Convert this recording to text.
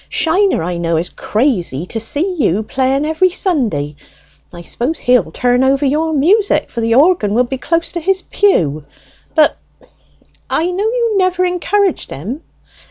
Shiner, I know, is crazy to see you playing every Sunday; I suppose he'll turn over your music, for the organ will be close to his pew. But I know you have never encouraged him?"